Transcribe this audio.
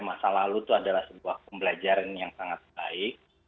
masa lalu itu adalah sebuah pembelajaran yang sangat baik